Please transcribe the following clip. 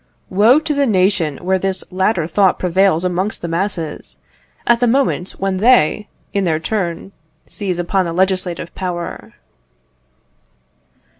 Woe to the nation where this latter thought prevails amongst the masses, at the moment when they, in their turn, seize upon the legislative power!